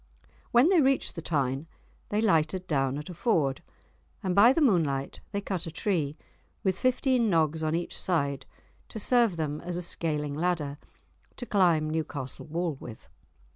When they reached the Tyne they lighted down at a ford, and by the moonlight they cut a tree, with fifteen nogs on each side, to serve them as a scaling ladder, to climb Newcastle wall with.